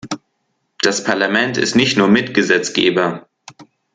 Das Parlament ist nicht nur Mitgesetzgeber.